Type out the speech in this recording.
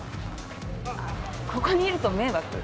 ここにいると迷惑？